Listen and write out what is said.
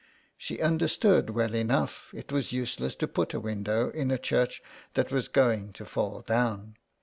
She understood well enough it was useless to put a window up in a church that was going to fall down.